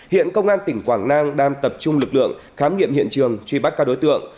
hiện công an tỉnh quảng nam đang tập trung lực lượng khám nghiệm hiện trường truy bắt các đối tượng